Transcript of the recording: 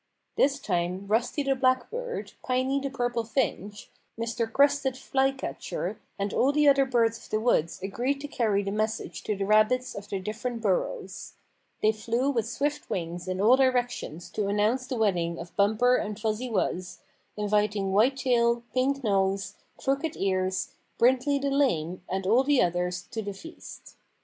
This time Rusty the Black Bird, Piney the Purple Finch, Mr. Crested Flycatcher, and all the other birds of the woods agreed to carry the message to the rabbits of the different burrows. They flew with swift wings in all directions to announce the wedding of Bumper and Fuzzy Wuzz, inviting White Tail, Pink Nose, Crooked Ears, Brindley the Lame and all the others to the feast.